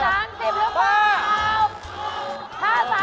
๓๐หรือเปล่าครับ